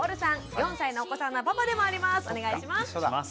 ４歳のお子さんのパパでもあります。